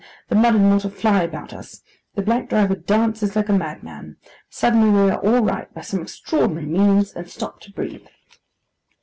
The mud and water fly about us. The black driver dances like a madman. Suddenly we are all right by some extraordinary means, and stop to breathe.